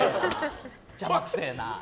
邪魔くせえな！